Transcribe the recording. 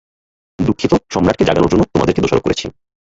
দুঃখিত, সম্রাটকে জাগানোর জন্য তোমাদেরকে দোষারোপ করেছি।